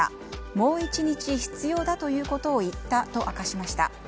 もう１日必要だということを言ったと明かしました。